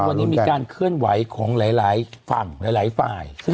วันนี้มีการเคลื่อนไหวของหลายฝั่งหลายฝ่าย